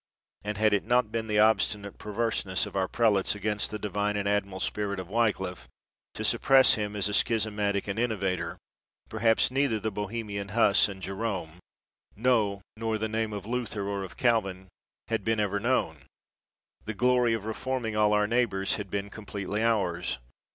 And had it not been the obstinate 108 MILTON perverseness of our prelates against the divine and admirable spirit of Wyclif, to suppress him as a schismatic and innovator, perhaps neither the Bohemian Huss and Jerome, no, nor the name of Luther or of Calvin had been ever known: the glory of reforming all our neighbors had been completely ours.